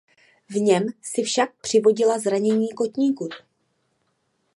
V něm si však přivodila zranění kotníku.